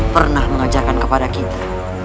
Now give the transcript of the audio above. pernah mengajarkan kepada kita